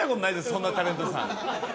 そんなタレントさん